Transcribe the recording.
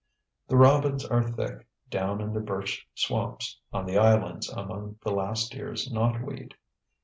The robins are thick down in the birch swamps, on the islands among the last year's knot weed.